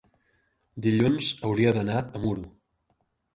Dilluns hauria d'anar a Muro.